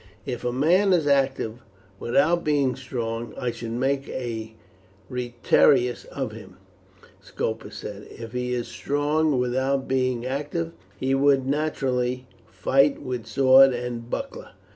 "If a man is active without being strong, I should make a retiarius of him," Scopus said. "If he is strong without being active, he would naturally fight with sword and buckler.